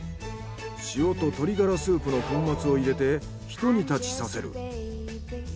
塩と鶏ガラスープの粉末を入れてひと煮立ちさせる。